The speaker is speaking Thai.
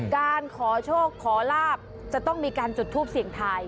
การขอโชคขอลาบจะต้องมีการจุดทูปเสี่ยงทาย